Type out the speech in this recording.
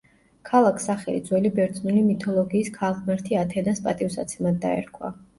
ქალაქს სახელი ძველი ბერძნული მითოლოგიის ქალღმერთი ათენას პატივსაცემად დაერქვა.